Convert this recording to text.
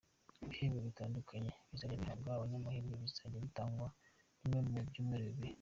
Ibihembo bitandukanye bizajya bihambwa abanyamahirwe, bizajya bitangwa rimwe mu byumweru bibiri.